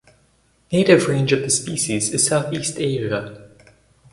Native range of the species is South east Asia.